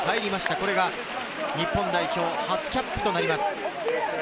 これが日本代表初キャップとなります。